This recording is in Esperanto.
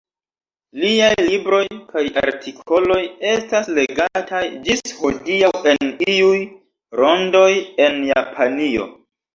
Liaj libroj kaj artikoloj estas legataj ĝis hodiaŭ en iuj rondoj en Japanio.